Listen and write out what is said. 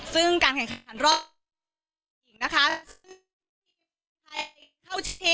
ซึ่งการแข่งขันรอตนะคะ